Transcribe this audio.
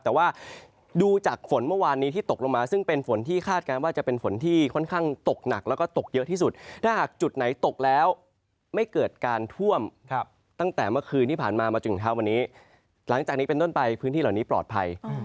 แต่ดูจากฝนเมื่อวานที่ตกลงมา